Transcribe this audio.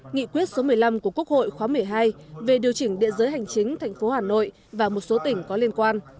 nghị quyết số một mươi năm của quốc hội khóa một mươi hai về điều chỉnh địa giới hành chính thành phố hà nội và một số tỉnh có liên quan